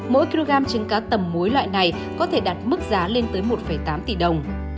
mỗi kg trứng cá tầm muối loại này có thể đạt mức giá lên tới một tám tỷ đồng